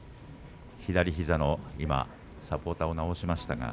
左膝のサポーターを直しました。